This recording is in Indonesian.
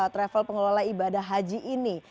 travel pengelola ibadah haji ini